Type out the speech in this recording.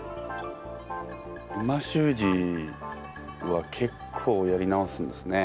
美味しゅう字は結構やり直すんですね